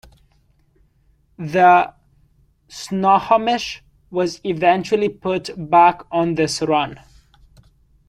The "Snohomish" was eventually put back on this run.